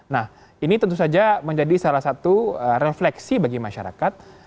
nah ini tentu saja menjadi salah satu refleksi bagi masyarakat